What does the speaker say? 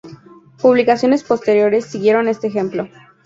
Publicaciones posteriores siguieron este ejemplo.